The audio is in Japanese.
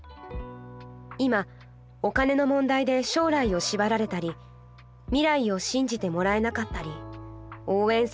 今お金の問題で将来を縛られたり未来を信じて貰えなかったり応援されなかったり。